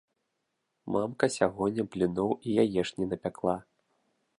Мамка сягоння бліноў і яешні напякла.